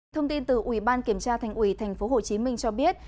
thông tin từ ủy ban kiểm tra thành ủy tp hcm cho biết